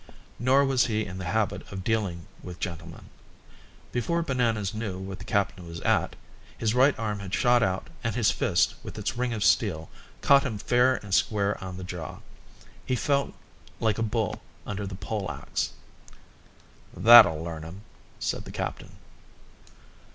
Nor was he in the habit of dealing with gentlemen. Before Bananas knew what the captain was at, his right arm had shot out and his fist, with its ring of steel, caught him fair and square on the jaw. He fell like a bull under the pole axe. "That'll learn him," said the captain.